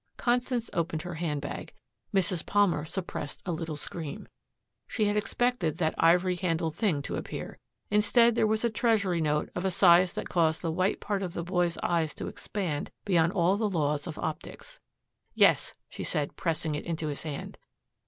Constance opened her handbag. Mrs. Palmer suppressed a little scream. She had expected that ivory handled thing to appear. Instead there was a treasury note of a size that caused the white part of the boy's eyes to expand beyond all the laws of optics. "Yes," she said, pressing it into his hand.